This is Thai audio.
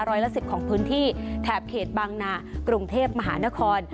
ร้อยละ๑๐ของพื้นที่แถบเขตบางนากรุงเทพมหานคร